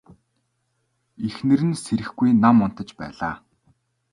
Эхнэр нь сэрэхгүй нам унтаж байлаа.